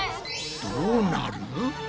どうなる？